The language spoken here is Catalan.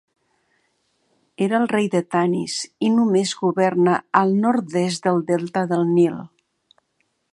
Era rei de Tanis i només governa al nord-est del delta del Nil.